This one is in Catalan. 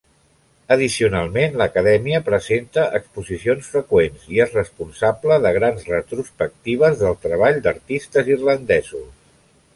Addicionalment, l'Acadèmia presenta exposicions freqüents i és responsable de grans retrospectives del treball d'artistes irlandesos.